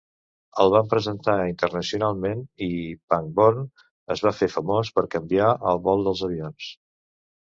El va presentar internacionalment i Pangborn es va fer famós per canviar el vol dels avions.